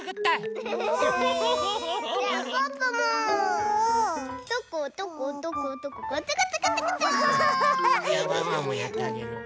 ウフフ！じゃワンワンもやってあげる。